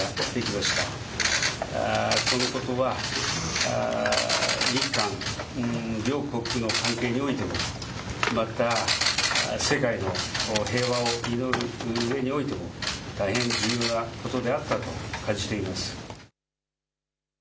またこのことは日韓両国の関係において、また世界の平和を祈るうえにおいても大変重要なことであったと感じています。